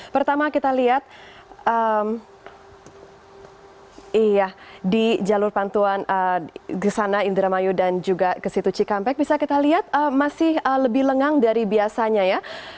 pertama kita lihat di jalur pantuan di sana indramayu dan juga ke situ cikampek bisa kita lihat masih lebih lengang dari biasanya ya